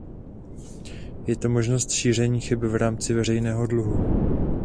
Je to možnost šíření chyb v rámci veřejného dluhu.